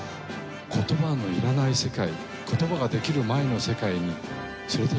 言葉のいらない世界言葉ができる前の世界に連れていかれたような。